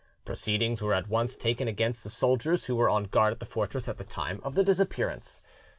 Proceedings were at once taken against the soldiers who were on guard at the fortress at the time of the disappearance.